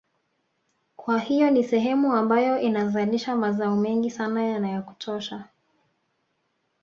Kwa hiyo ni sehemu ambayo inazalisha mazao mengi sana na ya kutosha